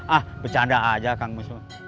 ah bercanda aja kamu